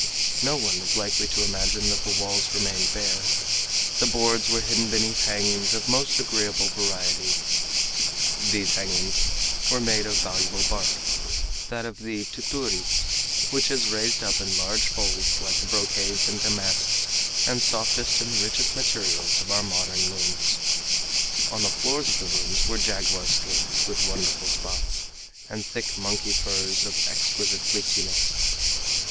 No one is likely to imagine that the walls remained bare. The boards were hidden beneath hangings of most agreeable variety. These hangings were made of valuable bark, that of the "tuturis," which is raised up in large folds like the brocades and damasks and softest and richest materials of our modern looms. On the floors of the rooms were jaguar skins, with wonderful spots, and thick monkey furs of exquisite fleeciness.